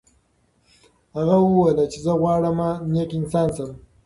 هغه وویل چې زه غواړم نیک انسان شم.